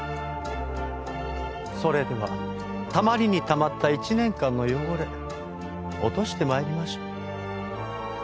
それではたまりにたまった１年間の汚れ落として参りましょう。